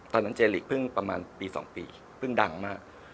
ตอนนั้นเจริกพึ่งประมาณปี๒ปีพึ่งดังมาก